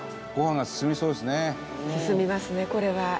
賀来：進みますね、これは。